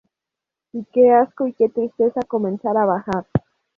Y qué asco y qué tristeza comenzar a bajar.